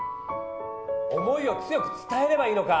「思い」を強く伝えればいいのか！